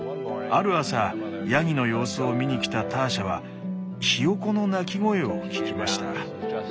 ある朝ヤギの様子を見にきたターシャはヒヨコの鳴き声を聞きました。